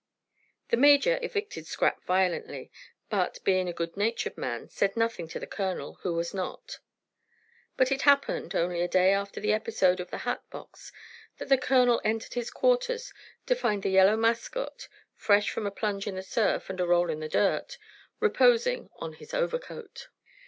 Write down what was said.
The major evicted Scrap violently, but, being a good natured man, said nothing to the colonel, who was not. But it happened, only a day after the episode of the hat box, that the colonel entered his quarters to find the yellow mascot, fresh from a plunge in the surf and a roll in the dirt, reposing on his overcoat.